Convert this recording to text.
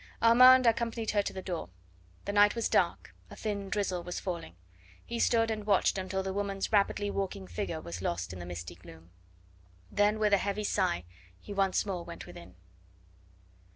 Armand accompanied her to the door. The night was dark, a thin drizzle was falling; he stood and watched until the woman's rapidly walking figure was lost in the misty gloom. Then with a heavy sigh he once more went within.